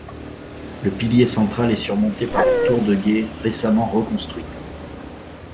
Le pilier central est surmonté par une tour de guet, récemment reconstruite.